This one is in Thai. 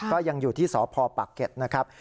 ก็ยังอยู่ที่สพปะเก็ตนะครับ